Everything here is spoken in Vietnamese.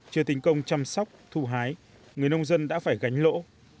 chưa tính công chăm sóc thu hái người nông dân đã phải gánh lỗ